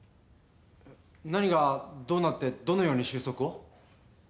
何がどうなってどのように収束を？